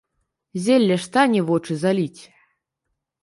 Зелля ж стане вочы заліць?